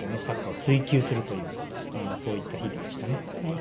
サッカーを追求するというかそういった日々でしたね。